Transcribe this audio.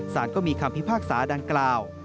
สารก็มีคำพิพากษาดังกล่าว